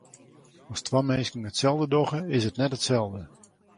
As twa minsken itselde dogge, is it net itselde.